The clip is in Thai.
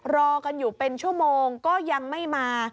รอกันอยู่เป็นชั่วโมงก็ยังไม่มา